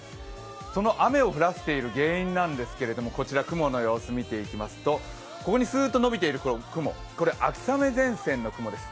その雨を降らせている原因なんですけど、こちら雲の様子見ていきますとここにスーッと伸びている雲は秋雨前線の雲です。